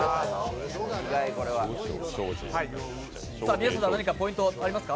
宮下さん、ポイントはありますか？